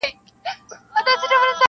• څوک حاجیان دي څوک پیران څوک عالمان دي..